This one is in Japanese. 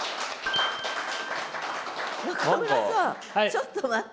ちょっと待って。